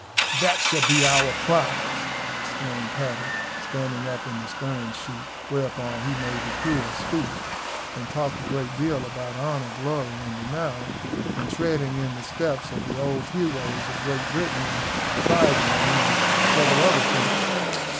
"That shall be our prize," exclaimed Paddy, standing up in the stern sheets; whereon he made the crew a speech, and talked a great deal about honour, glory, and renown, and treading in the steps of the old heroes of Great Britain, and prize money, and several other themes.